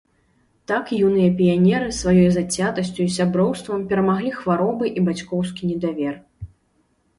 Так юныя піянеры сваёй зацятасцю і сяброўствам перамаглі хваробы і бацькоўскі недавер.